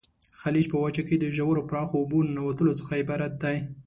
خلیج په وچه کې د ژورو پراخو اوبو ننوتلو څخه عبارت دی.